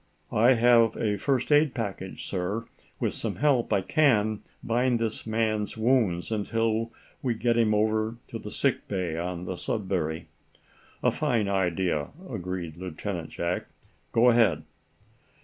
"I have a first aid package, sir. With some help I can, bind this man's wounds until we get him over to the sick bay on the 'Sudbury.'" "A fine idea," agreed Lieutenant Jack. "Go ahead."